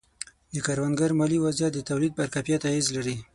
د کروندګرو مالي وضعیت د تولید پر کیفیت اغېز لري.